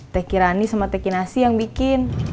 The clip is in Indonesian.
teh kirani sama teh kinasi yang bikin